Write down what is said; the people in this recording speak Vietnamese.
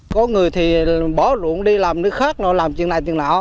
có người thì bỏ ruộng đi làm nước khác làm chuyện này tiền lão